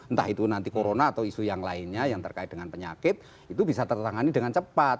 entah itu nanti corona atau isu yang lainnya yang terkait dengan penyakit itu bisa tertangani dengan cepat